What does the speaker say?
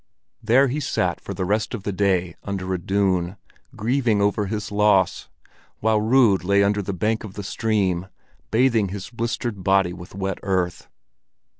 There he sat for the rest of the day under a dune, grieving over his loss, while Rud lay under the bank of the stream, bathing his blistered body with wet earth.